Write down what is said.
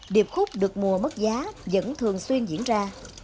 điệp khúc được mua mất giá vẫn thường xuyên diễn ra